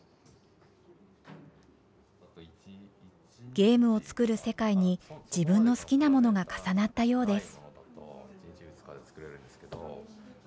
ゲームを作る世界に自分の好きなものが重なったようです。